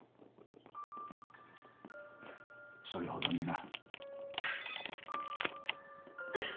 それほどにな。